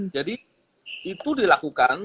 jadi itu dilakukan